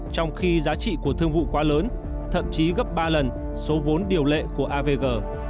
trong khi giá trị của thương vụ quá lớn thậm chí gấp ba lần số vốn điều lệ của avg